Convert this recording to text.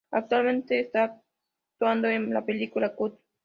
Actualmente está actuando en la película Cut.